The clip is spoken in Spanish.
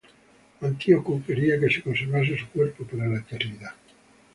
Antíoco quería que se conservase su cuerpo para la eternidad.